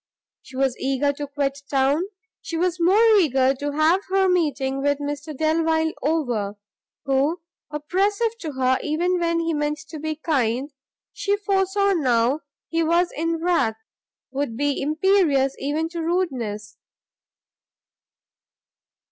She was eager to quit town, she was more eager to have her meeting with Mr Delvile over, who, oppressive to her even when he meant to be kind, she foresaw, now he was in wrath, would be imperious even to rudeness.